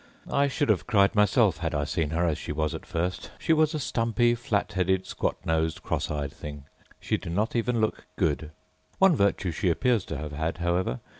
I should have cried myself had I seen her as she was at first. She was a stumpy, flat headed, squat nosed, cross eyed thing. She did not even look good. One virtue she appears to have had, however.